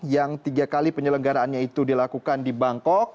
yang tiga kali penyelenggaraannya itu dilakukan di bangkok